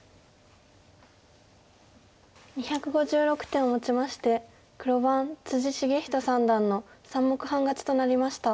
２５６手をもちまして黒番篤仁三段の３目半勝ちとなりました。